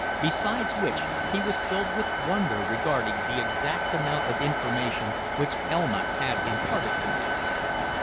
Besides which, he was filled with wonder regarding the exact amount of information which Elma had imparted to me.